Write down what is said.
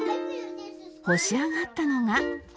干し上がったのが